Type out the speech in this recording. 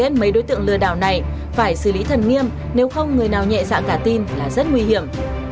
đối với mấy đối tượng lừa đảo này phải xử lý thần nghiêm nếu không người nào nhẹ dạng cả tin là rất nguy hiểm